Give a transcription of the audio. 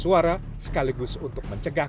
suara sekaligus untuk mencegah